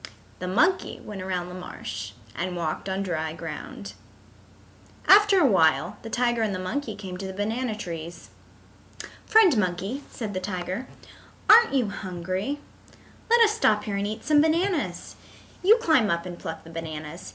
The monkey went around the marsh and walked on dry ground. After a while the tiger and the monkey came to the banana trees. "Friend Monkey," said the tiger, "aren't you hungry? Let us stop here and eat some bananas. You climb up and pluck the bananas.